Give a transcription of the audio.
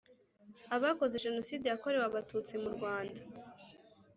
abakoze Jenoside yakorewe abatutsi mu Rwanda